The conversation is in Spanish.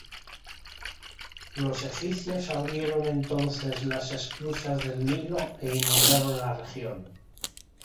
Los egipcios abrieron entonces las esclusas del Nilo e inundaron la región.